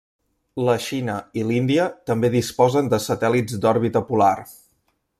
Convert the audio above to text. La Xina i l'Índia també disposen de satèl·lits d'òrbita polar.